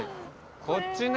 こっちね。